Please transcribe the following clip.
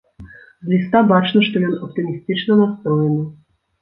З ліста бачна, што ён аптымістычна настроены.